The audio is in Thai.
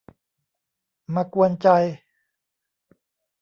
มากวนใจ